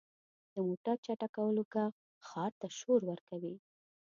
• د موټر چټکولو ږغ ښار ته شور ورکوي.